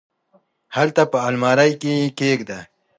هلته په المارۍ کي یې کښېږده !